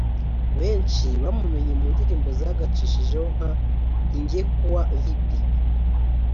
Benshi bamumenye mu ndirimbo zagacishijeho nka ‘Ingekuwa Vipi’